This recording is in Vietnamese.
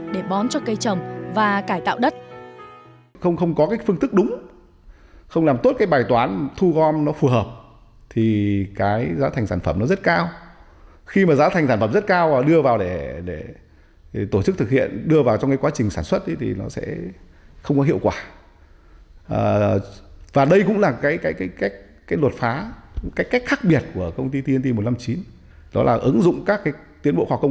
để bón cho cây trầm và cải tạo đất